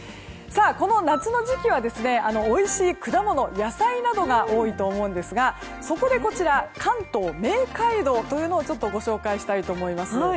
夏の時期はおいしい果物、野菜などが多いと思うんですがそこでこちら関東名街道というのをご紹介したいと思います。